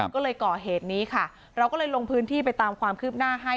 ก็เลยก่อเหตุนี้ค่ะเราก็เลยลงพื้นที่ไปตามความคืบหน้าให้